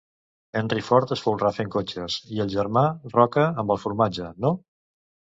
-Henry Ford es folrà fent cotxes. -I el germà Roca amb el formatge, no...?